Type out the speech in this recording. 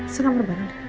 sekamar banget din